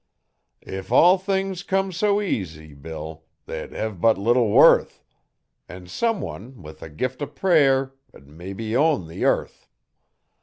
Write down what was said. If all things come so easy, Bill, they'd hev but little worth, An' someone with a gift O' prayer 'ud mebbe own the earth.